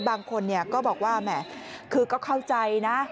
บางคนก็บอกว่าแหมคือก็เข้าใจนะ